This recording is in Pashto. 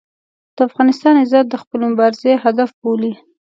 د افغانستان عزت د خپلې مبارزې هدف بولي.